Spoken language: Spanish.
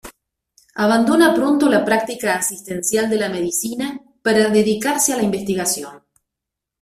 Abandona pronto la práctica asistencial de la medicina, para dedicarse a la investigación.